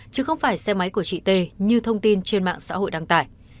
chứ không phải xe máy của chị t như thông tin trên mạng xã hội đăng tải